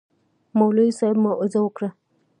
مولوي صاحب موعظه وکړه.